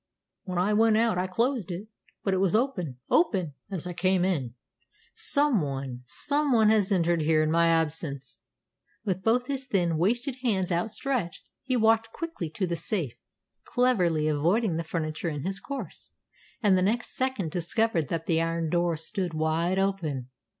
When I went out I closed it! But it was open open as I came in! Some one some one has entered here in my absence!" With both his thin, wasted hands outstretched, he walked quickly to his safe, cleverly avoiding the furniture in his course, and next second discovered that the iron door stood wide open.